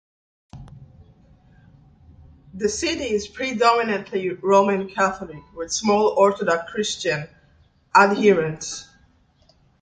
The city is predominantly Roman Catholic, with small Orthodox Christian adherents.